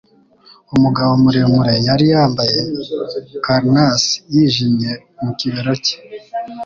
Umugabo muremure yari yambaye karnasi yijimye mu kibero cye